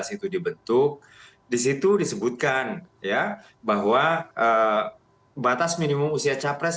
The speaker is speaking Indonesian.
itu dibentuk disitu disebutkan ya bahwa batas minimum usia capres